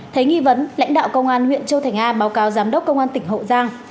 thấy nghi vấn lãnh đạo công an huyện châu thành a báo cáo giám đốc công an tỉnh hậu giang